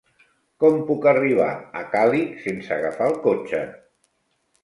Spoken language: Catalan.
Com puc arribar a Càlig sense agafar el cotxe?